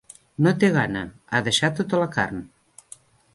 No té gana: ha deixat tota la carn.